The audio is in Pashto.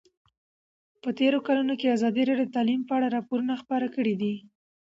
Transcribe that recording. په تېرو کلونو کې ازادي راډیو د تعلیم په اړه راپورونه خپاره کړي دي.